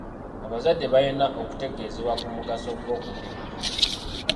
Abazadde balina okutegeezebwa ku mugaso gw'okugema.